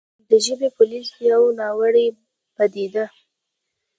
د «ژبې پولیس» يوه ناوړې پديده